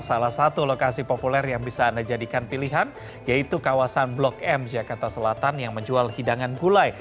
salah satu lokasi populer yang bisa anda jadikan pilihan yaitu kawasan blok m jakarta selatan yang menjual hidangan gulai